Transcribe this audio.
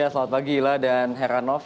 selamat pagi ila dan heranov